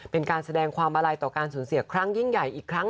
เป็นการแสดงความอาลัยต่อการสูญเสียครั้งยิ่งใหญ่อีกครั้ง